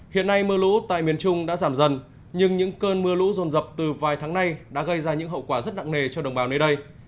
hiện nay mưa lũ tại miền trung đã giảm dần nhưng những cơn mưa lũ rồn rập từ vài tháng nay đã gây ra những hậu quả rất nặng nề cho đồng bào nơi đây